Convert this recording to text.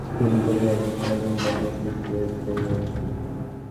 দুম করে গ্যাসভর্তি বেলুনের গায়ে বসিয়ে দেবে ঢিলখানা।